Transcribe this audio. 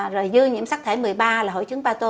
rồi dư nhiễm sắc thể một mươi ba là hội chứng bato